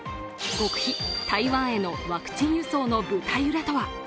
極秘、台湾へのワクチン輸送の舞台裏とは。